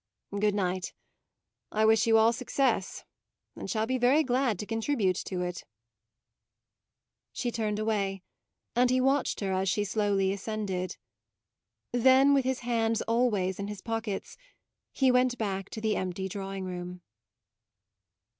"Good night! I wish you all success, and shall be very glad to contribute to it!" She turned away, and he watched her as she slowly ascended. Then, with his hands always in his pockets, he went back to the empty drawing room.